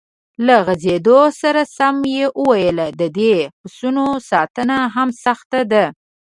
له غځېدو سره سم یې وویل: د دې پسونو ساتنه هم سخته ده.